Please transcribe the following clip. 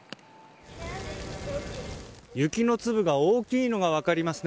雪の粒が大きいのが分かりますね。